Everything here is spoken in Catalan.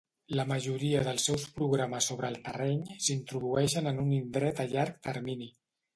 La majoria dels seus programes sobre el terreny s'introdueixen en un indret a llarg termini.